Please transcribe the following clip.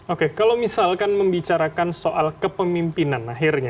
oke kalau misalkan membicarakan soal kepemimpinan akhirnya